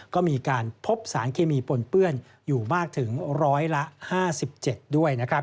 ก็มีการพบสารเคมีปนเปื้อนอยู่มากถึง๑๕๗ด้วย